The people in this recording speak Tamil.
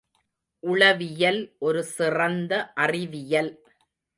உளவியல் ஒரு சிறந்த அறிவியல்.